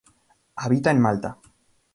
Habita en Malta.